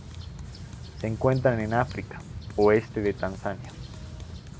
Se encuentran en África: oeste de Tanzania.